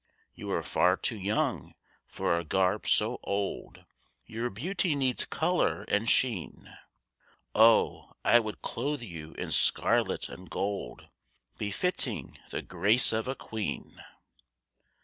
You are far too young for a garb so old; Your beauty needs colour and sheen. Oh, I would clothe you in scarlet and gold Befitting the grace of a queen.